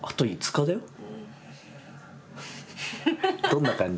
どんな感じ？